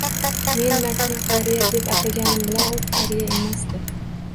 Men Makni qariya deb ataganim bilan u qariya emasdi